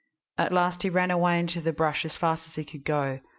At last he ran away into the brush as fast as he could go.